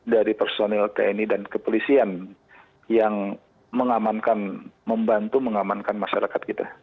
dari personil tni dan kepolisian yang mengamankan membantu mengamankan masyarakat kita